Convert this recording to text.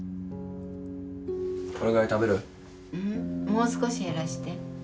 もう少し減らして。